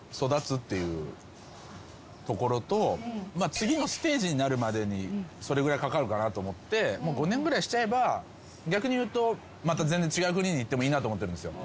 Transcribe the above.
次のステージになるまでにそれぐらいかかるかなと思ってもう５年ぐらいしちゃえば逆にいうとまた全然違う国に行ってもいいなと思ってるんですよ。